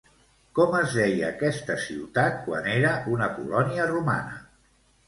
Com es deia aquesta ciutat quan era una colònia romana?